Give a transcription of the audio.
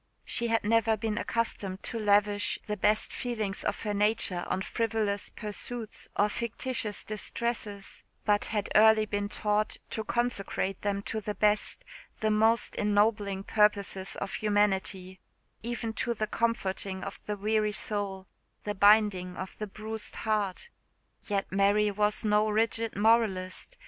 She had never been accustomed to lavish the best feelings of her nature on frivolous pursuits or fictitious distresses, but had early been taught to consecrate them to the best, the most ennobling purposes of humanity even to the comforting of the weary soul, the binding of the bruised heart. Yet Mary was no rigid moralist.